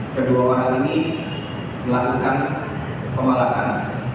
kedua orang ini melakukan pemalakan